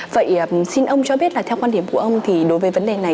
vậy xin ông cho biết là theo quan điểm của ông thì đối với vấn đề này